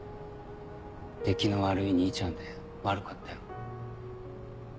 出来の悪い兄ちゃんで悪かったよ。